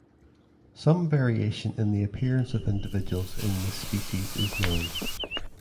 Some variation in the appearance of individuals in this species is known.